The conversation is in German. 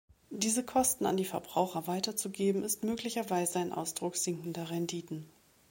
Diese Kosten an die Verbraucher weiterzugeben, ist möglicherweise ein Ausdruck sinkender Renditen.